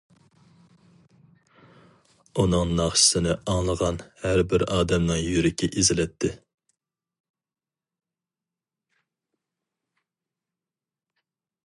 ئۇنىڭ ناخشىسىنى ئاڭلىغان ھەر بىر ئادەمنىڭ يۈرىكى ئېزىلەتتى.